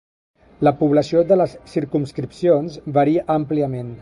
La població de les circumscripcions varia àmpliament.